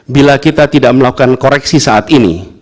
bila kita tidak melakukan koreksi saat ini